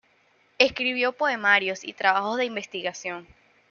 Escribió poemarios y trabajos de investigación.